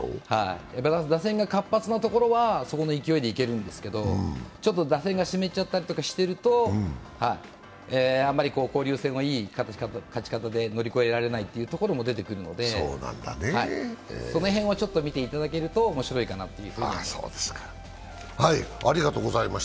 打線が活発なところは、そこの勢いでいけるんですけどちょっと打線が湿っちゃったりとかしていると、あまり交流戦をいい勝ち方で乗り越えられないということも出てくるので、その辺を見ていただけると面白いかなと。